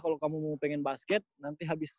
kalau kamu mau pengen basket nanti habis